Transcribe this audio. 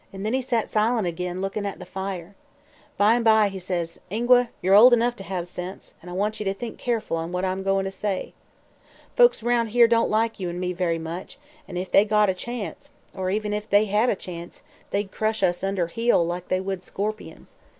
"Then he set silent ag'in, lookin' at the fire. By 'n' by says he: 'Ingua, yer old enough to hev sense, an' I want ye to think keerful on what I'm goin' ter say. Folks aroun' here don't like you an' me very much, an' if they got a chance or even thought they had a chance they'd crush us under heel like they would scorpions.